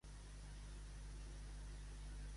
Com és definit don Gaspar segons la Paulina?